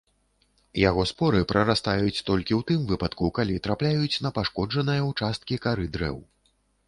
Яго споры прарастаюць толькі ў тым выпадку, калі трапляюць на пашкоджаныя ўчасткі кары дрэў.